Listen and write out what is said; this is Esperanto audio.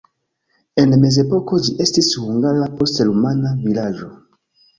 En mezepoko ĝi estis hungara, poste rumana vilaĝo.